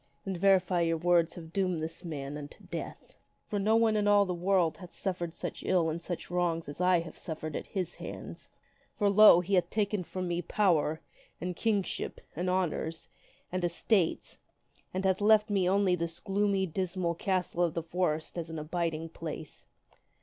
Then verily your words have doomed this man unto death. For no one in all this world hath ever suffered such ill and such wrongs as I have suffered at his hands. For, lo ! he hath taken from me power, and kingship, and honors, and estates, and hath left me only this gloomy, dismal castle of the forest as an abiding place.